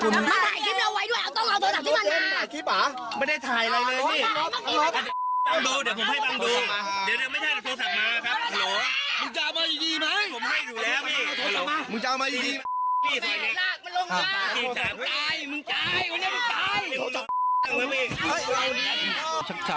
ไม่ใช่จู่โจมก็ไม่น่าถีบบ้านคนหรอกจริงไหมจริงเปล่า